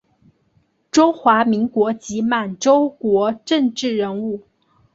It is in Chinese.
中华民国及满洲国政治人物。